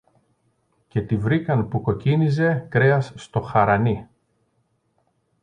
και τη βρήκαν που κοκκίνιζε κρέας στο χαρανί.